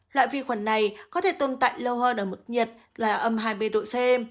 loại vi khuẩn này có thể tồn tại lâu hơn ở mức nhiệt là âm hai mươi độ c